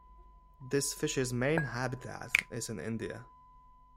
This fish's main habitat is in India.